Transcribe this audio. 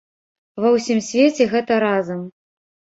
Ва ўсім свеце гэта разам.